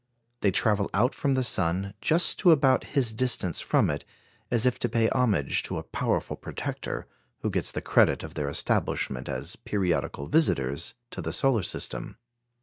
They travel out from the sun just to about his distance from it, as if to pay homage to a powerful protector, who gets the credit of their establishment as periodical visitors to the solar system.